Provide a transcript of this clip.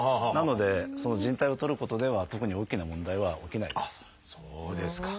なのでじん帯を取ることでは特に大きな問題は起きないです。